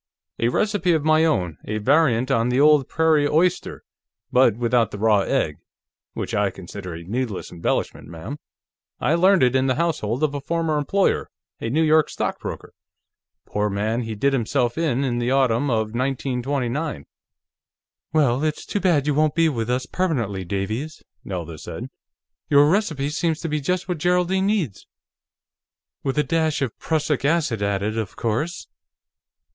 "A recipe of my own, a variant on the old Prairie Oyster, but without the raw egg, which I consider a needless embellishment, ma'am. I learned it in the household of a former employer, a New York stockbroker. Poor man: he did himself in in the autumn of 1929." "Well, it's too bad you won't be with us permanently, Davies," Nelda said. "Your recipe seems to be just what Geraldine needs. With a dash of prussic acid added, of course."